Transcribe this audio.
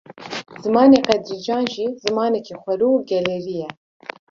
Zimanê Qedrîcan jî, zimanekî xwerû û gelêrî ye